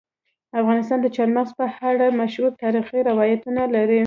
افغانستان د چار مغز په اړه مشهور تاریخی روایتونه لري.